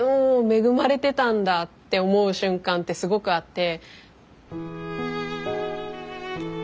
恵まれてたんだって思う瞬間ってすごくあって。